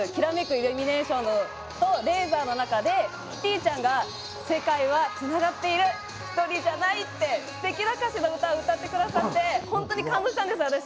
イルミネーションとレーザーの中でキティちゃんが「世界はつながっている」「ひとりじゃない」というすてきな歌詞の歌を歌ってくださって、本当に感動したんです、私。